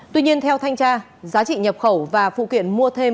tuy nhiên theo thanh tra giá trị nhập khẩu và phụ kiện mua thêm